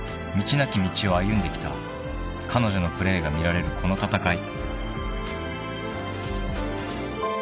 なき道を歩んできた彼女のプレーが見られるこの戦い］